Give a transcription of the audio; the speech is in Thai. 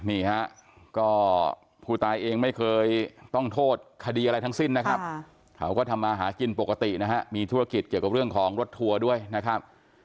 นี่ฮะก็ผู้ตายเองไม่เคยต้องโทษคดีอะไรทั้งสิ้นนะครับเขาก็ทำมาหากินปกตินะฮะมีธุรกิจเกี่ยวกับเรื่องของรถทัวร์ด้วยนะครับ